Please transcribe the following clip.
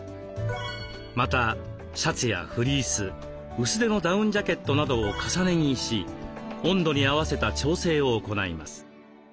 またシャツやフリース薄手のダウンジャケットなどを重ね着し温度に合わせた調整を行います。